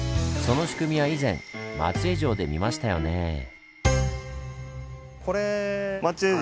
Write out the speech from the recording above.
その仕組みは以前松江城で見ましたよねぇ。